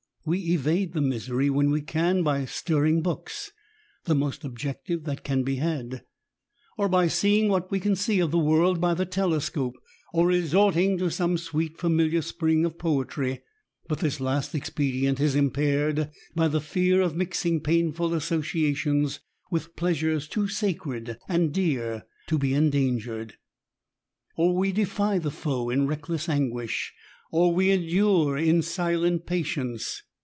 We evade the misery, when we can, by stirring books, (the most objective that can be had), or by seeing what we can of the world by the telescope, or by resorting to some sweet familiar spring of poetry ; but this last expedient is impaired by the fear of mixing painful associa tions with pleasures too sacred and dear to be endangered. Or we defy the foe in reckless anguish, or we endure in silent patience.